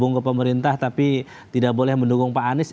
atau gabung ke pemerintah tapi tidak boleh mendukung pak anies